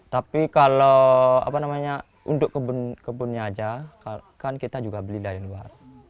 tapi kalau apa namanya untuk kebunnya aja kan kita juga beli dari luar